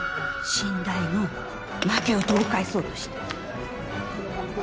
新台の負けを取り返そうとして。